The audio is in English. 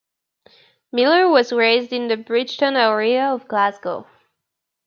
Miller was raised in the Bridgeton area of Glasgow.